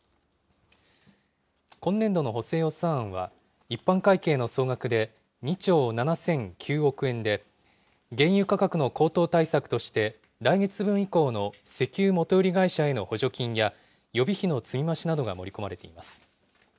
今年度の補正予算案は、一般会計の総額で２兆７００９億円で、原油価格の高騰対策として、来月分以降の石油元売り会社への補助金や、予備費の積み増しなどが盛り込まれています。